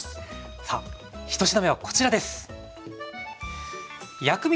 さあ１品目はこちらです！